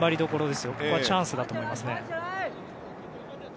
ここはチャンスだと思いますね。